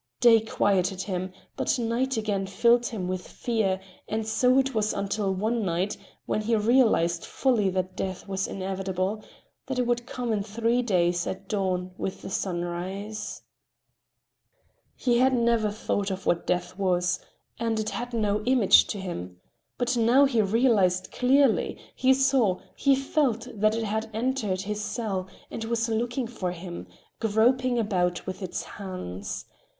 Day quieted him, but night again filled him with fear, and so it was until one night when he realized fully that death was inevitable, that it would come in three days at dawn with the sunrise. He had never thought of what death was, and it had no image to him—but now he realized clearly, he saw, he felt that it had entered his cell and was looking for him, groping about with its hands.